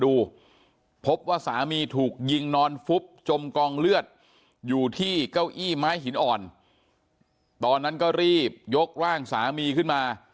พบว่าสามีถูกยิงนอนฟุบจมกองเลือดอยู่ที่เก้าอี้ไม้หินอ่อนตอนนั้นก็รีบยกร่างสามีขึ้นมา